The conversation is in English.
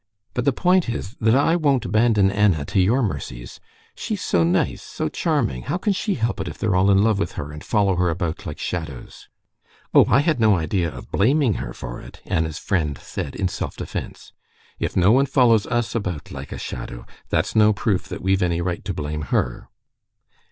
"But the point is that I won't abandon Anna to your mercies. She's so nice, so charming. How can she help it if they're all in love with her, and follow her about like shadows?" "Oh, I had no idea of blaming her for it," Anna's friend said in self defense. "If no one follows us about like a shadow, that's no proof that we've any right to blame her."